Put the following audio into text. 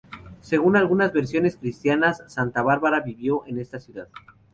Según algunas versiones cristianas Santa Bárbara vivió en esta ciudad.